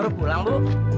bu baru pulang bu